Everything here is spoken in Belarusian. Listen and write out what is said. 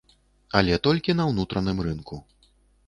Але толькі на ўнутраным рынку.